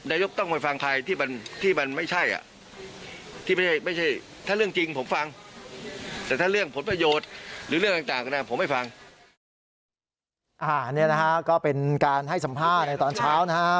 นี่นะฮะก็เป็นการให้สัมภาษณ์ในตอนเช้านะฮะ